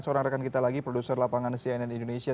seorang rekan kita lagi produser lapangan cnn indonesia